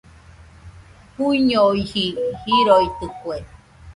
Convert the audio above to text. Juñoiji joroitɨkue.